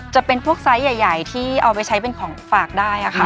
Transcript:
จะเป็นพวกไซส์ใหญ่ที่เอาไปใช้เป็นของฝากได้ค่ะ